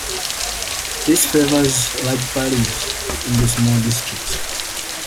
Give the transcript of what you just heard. This favors large parties in the small districts.